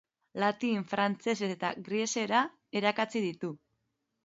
Latin, frantses eta greziera irakatsi ditu.